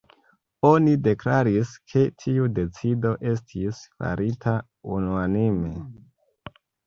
Oni deklaris, ke tiu decido estis farita unuanime.